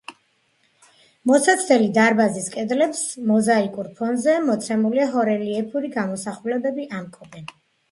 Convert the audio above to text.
მოსაცდელი დარბაზის კედლებს მოზაიკურ ფონზე მოცემული ჰორელიეფური გამოსახულებები ამკობენ.